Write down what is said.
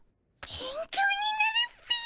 勉強になるっピィ。